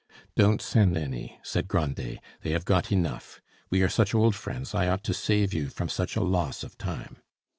"Don't send any," said Grandet; "they have got enough. We are such old friends, I ought to save you from such a loss of time."